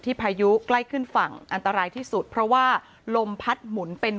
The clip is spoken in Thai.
พายุใกล้ขึ้นฝั่งอันตรายที่สุดเพราะว่าลมพัดหมุนเป็น